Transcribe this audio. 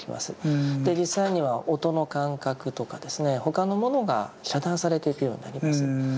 で実際には音の感覚とか他のものが遮断されていくようになります。